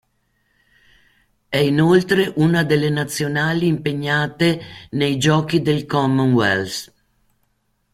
È inoltre una delle nazionali impegnate nei Giochi del Commonwealth.